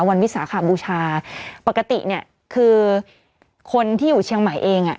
วิสาขบูชาปกติเนี่ยคือคนที่อยู่เชียงใหม่เองอ่ะ